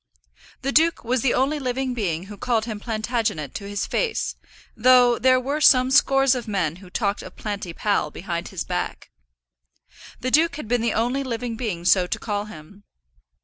The duke was the only living being who called him Plantagenet to his face, though there were some scores of men who talked of Planty Pal behind his back. The duke had been the only living being so to call him.